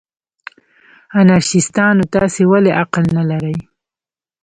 انارشیستانو، تاسې ولې عقل نه لرئ؟